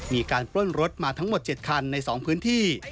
ปล้นรถมาทั้งหมด๗คันใน๒พื้นที่